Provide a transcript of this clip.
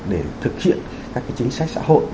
để thực hiện các cái chính sách xã hội